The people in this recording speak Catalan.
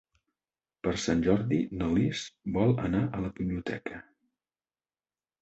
Per Sant Jordi na Lis vol anar a la biblioteca.